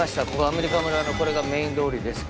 アメリカ村のこれがメイン通りです。